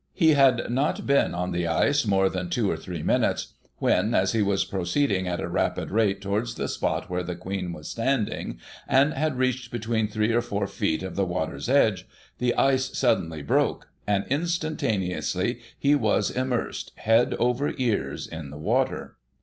He had not been on the ice more than two or three minutes, when, as he was proceeding at a rapid rate towards the spot where the Queen was standing, and had reached between three or four feet of the water's edge, the ice suddenly broke, and, instantaneously he was immersed, head over ears, in the water.